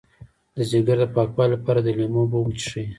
د ځیګر د پاکوالي لپاره د لیمو اوبه وڅښئ